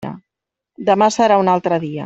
Demà serà un altre dia.